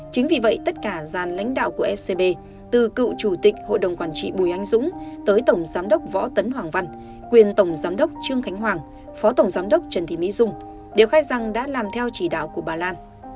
chính vì vậy tất cả gian lãnh đạo của scb từ cựu chủ tịch hội đồng quản trị bùi anh dũng tới tổng giám đốc võ tấn hoàng văn quyền tổng giám đốc trương khánh hoàng phó tổng giám đốc trần thị mỹ dung đều khai rằng đã làm theo chỉ đạo của bà lan